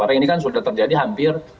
karena ini kan sudah terjadi hampir